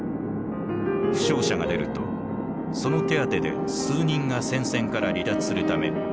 負傷者が出るとその手当てで数人が戦線から離脱するためより